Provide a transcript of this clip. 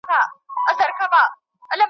جنازه به د غمونو وي وتلې .